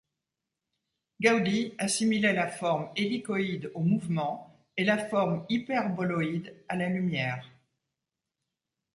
Gaudí assimilait la forme hélicoïde au mouvement, et la forme hyperboloïde à la lumière.